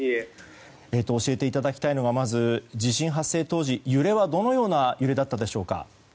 教えていただきたいのがまず地震発生当時、揺れはどのような揺れだったんでしょうか。